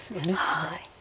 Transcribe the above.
はい。